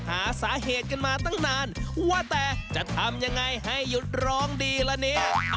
หาสาเหตุกันมาตั้งนานว่าแต่จะทำยังไงให้หยุดร้องดีละเนี่ย